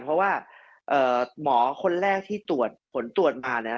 เพราะว่าหมอคนแรกที่ตรวจผลตรวจผ่านนะครับ